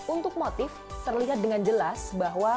untuk motif terlihat dengan jelas bahwa